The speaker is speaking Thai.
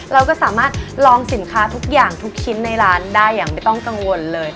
เราก็สามารถลองสินค้าทุกอย่างทุกชิ้นในร้านได้อย่างไม่ต้องกังวลเลย